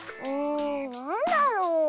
なんだろう？